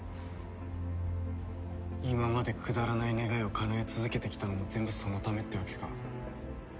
今までくだらない願いをかなえ続けてきたのも全部そのためってわけか。